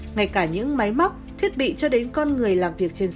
ngay cả những máy móc thiết bị cho đến con người làm việc trên rừng